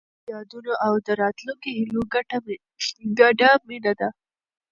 کابل زما د تېرو یادونو او د راتلونکي هیلو ګډه مېنه ده.